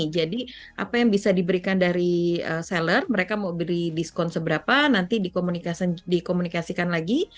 jadi apa yang bisa diberikan dari seller mereka mau beri diskon seberapa nanti dikomunikasikan lagi